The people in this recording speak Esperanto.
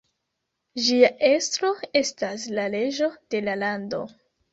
Ĝia estro estas la reĝo de la lando.